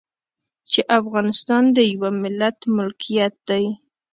چې افغانستان د يوه ملت ملکيت دی.